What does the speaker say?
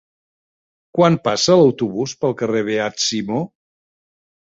Quan passa l'autobús pel carrer Beat Simó?